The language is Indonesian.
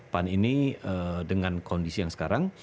pan ini dengan kondisi yang sekarang